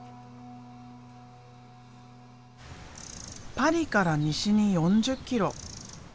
パリから西に４０キロ。